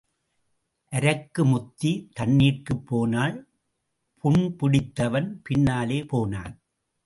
அரக்கு முத்தி தண்ணீர்க்குப் போனாள் புண் பிடித்தவன் பின்னாலே போனான்.